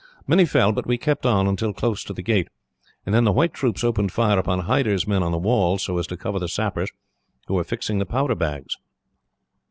Many fell, but we kept on until close to the gate, and then the white troops opened fire upon Hyder's men on the walls, so as to cover the sappers, who were fixing the powder bags.